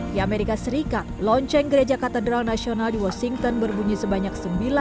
di amerika serikat lonceng gereja katedral nasional di washington berbunyi sebanyak